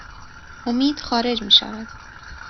امید خارج می شود